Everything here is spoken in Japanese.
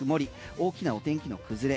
大きなお天気の崩れ